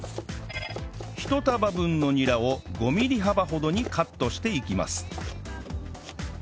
１束分のニラを５ミリ幅ほどにカットしていきます